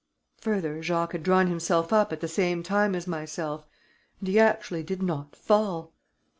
Further, Jacques had drawn himself up at the same time as myself; and he actually did not fall.